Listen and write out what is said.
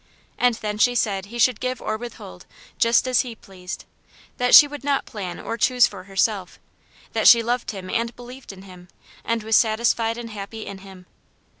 And then she said He should give or withhold, just as He pleased ; that she would not plan or choose for herself; that she loved Him and believed in Him, and was satisfied and happy in Him.